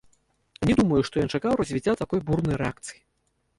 Не думаю, што ён чакаў развіцця такой бурнай рэакцыі.